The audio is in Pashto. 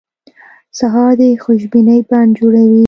سهار د خوشبینۍ بڼ جوړوي.